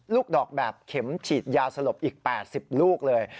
ลูกดอกแบบเข็มฉีดยาสลบอีก๘๐ลูกเลย